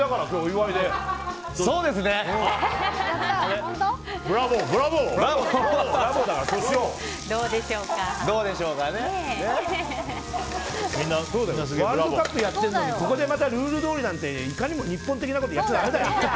ワールドカップやっているのにここでルールどおりなんていかにも日本的なことやっちゃだめだよ！